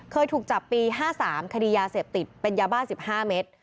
เคยถูกจับปี๕๓คดียาเสพติดเป็นยาบ้า๑๕เมตร